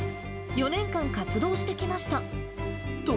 ４年間活動してきました。